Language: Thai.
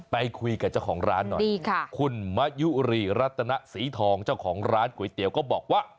ไปคุยกับเจ้าของร้านหน่อยดีค่ะคุณมะยุรีรัตนศรีทองเจ้าของร้านก๋วยเตี๋ยวก็บอกว่า